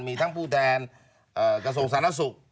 มีทั้งผู้แดนกระโสสารสุข